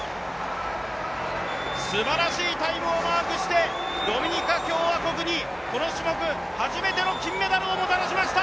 すばらしいタイムをマークして、ドミニカ共和国にこの種目初めての金メダルをもたらしました！